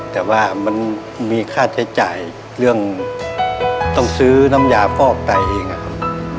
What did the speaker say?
แต่ว่ามันมีค่าใช้จ่ายเรื่องต้องซื้อน้ำยาฟอกไตเองนะครับ